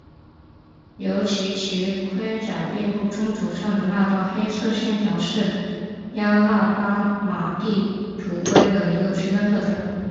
尤其其盔甲背部中轴上的那道黑色线条是亚拉巴马地图龟的一个区分特征。